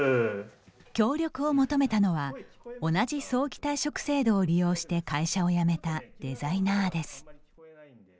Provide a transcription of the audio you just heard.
協力を求めたのは同じ早期退職制度を利用して会社を辞めたデザイナーです。